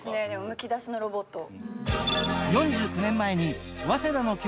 むき出しのロボット。